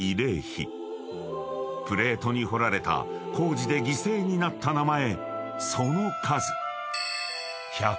［プレートに彫られた工事で犠牲になった名前］